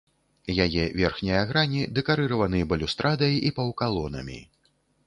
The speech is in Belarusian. Яе верхнія грані дэкарыраваны балюстрадай і паўкалонамі.